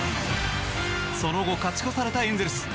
その後、勝ち越されたエンゼルス。